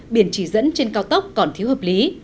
biển chỉ dẫn trên cao tốc còn thiếu hợp lý